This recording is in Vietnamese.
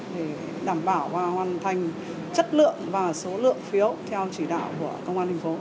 để đảm bảo và hoàn thành chất lượng và số lượng phiếu theo chỉ đạo của công an thành phố